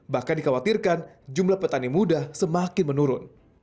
bahkan dikhawatirkan jumlah petani muda semakin menurun